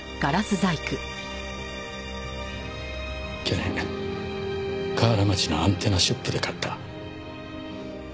去年河原町のアンテナショップで買った。